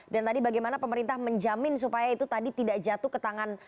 dan tadi bagaimana pemerintah menjamin supaya itu tadi tidak jatuh ke tangan